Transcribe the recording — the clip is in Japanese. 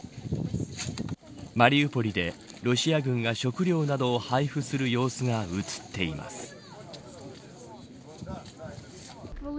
マリウポリでロシア軍が食料などを配布する様子が映っています。